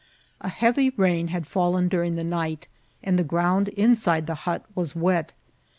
A heavy rain had frdlen during the night, and the ground inside the hut was wet.